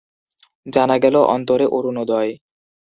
জানা গেল অন্তরে অরুণোদয়।